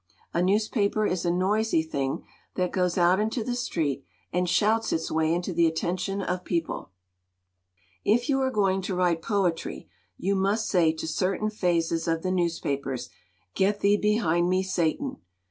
A newspaper is a noisy thing that goes out into the street and shouts its way into the attention of people. "If you are going to write poetry you must say to certain phases of the newspapers, ' Get thee behind me, Satan!'